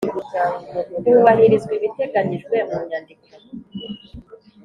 hubahirizwa ibiteganyijwe mu Nyandiko